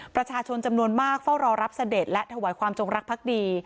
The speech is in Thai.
ประชาชนจำนวนมากเฝ้ารอรับเสด็จและถวายความจงรักภักดี